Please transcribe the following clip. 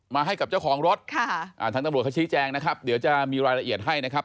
ให้กับเจ้าของรถทางตำรวจเขาชี้แจงนะครับเดี๋ยวจะมีรายละเอียดให้นะครับ